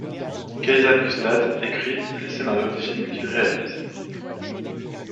Kaizad Gustad écrit les scénarios des films qu'il réalise.